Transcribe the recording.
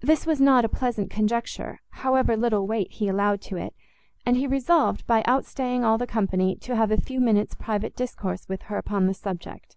This was not a pleasant conjecture, however little weight he allowed to it; and he resolved, by outstaying all the company, to have a few minutes' private discourse with her upon the subject.